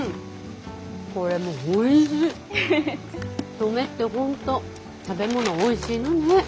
登米って本当食べ物おいしいのねえ。